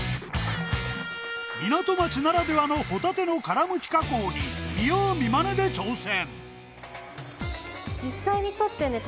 港町ならではのホタテの殻むき加工に見よう見まねで挑戦